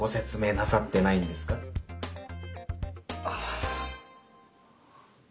ああ。